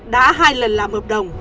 đã hai lần làm hợp đồng